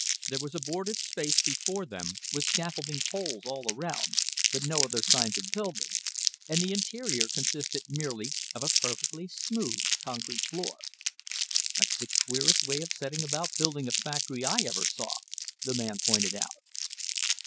There was a boarded space before them, with scaffolding poles all around, but no other signs of building, and the interior consisted merely of a perfectly smooth concrete floor. "That's the queerest way of setting about building a factory I ever saw," the man pointed out.